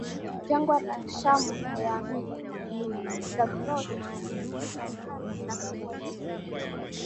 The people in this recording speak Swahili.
jangwa la Shamu na ya milima ya Zagros Imepakana na Kuwait